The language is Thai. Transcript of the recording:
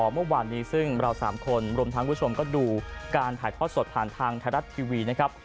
เมื่อวานนี้ซึ่งเรา๓คนรวมทั้งคุณผู้ชมก็ดูการถ่ายทอดสดผ่านทางไทยรัฐทีวีนะครับ